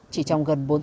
chỉ trong gần bốn tháng